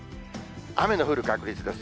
雨の降る確率です。